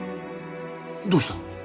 どうした？